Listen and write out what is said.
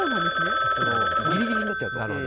ギリギリになっちゃうと。